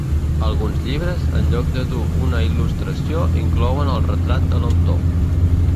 Alguns llibres en lloc de dur una il·lustració inclouen el retrat de l'autor.